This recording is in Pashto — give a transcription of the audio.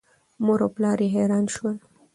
مور او پلار یې حیران شول.